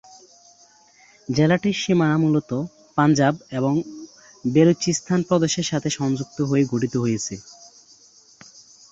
জেলাটির সীমানা মূলত পাঞ্জাব এবং বেলুচিস্তান প্রদেশের সাথে সংযুক্ত হয়ে গঠিত হয়েছে।